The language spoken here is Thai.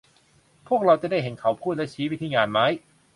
พวกเราจะได้เห็นเขาพูดและชี้ไปที่งานไม้